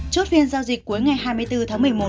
chốt phiên giao dịch cuối ngày hai mươi bốn tháng một mươi một